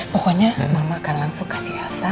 pokoknya mama akan langsung kasih rasa